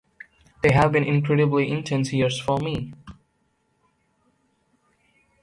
They've been incredibly intense years for me.